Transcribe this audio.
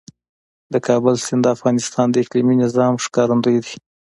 د کابل سیند د افغانستان د اقلیمي نظام ښکارندوی ده.